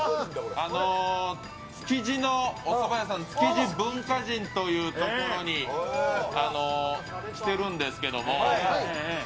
築地のおそば屋さん、つきじ文化人という所に、来てるんですけども。